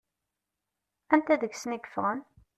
Anta deg-sen i yeffɣen?